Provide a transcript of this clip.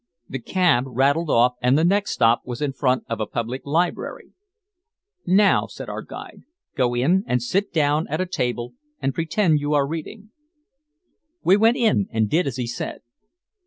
The cab rattled off, and the next stop was in front of a public library. "Now," said our guide, "go in and sit down at a table and pretend you are reading." We went in and did as he said.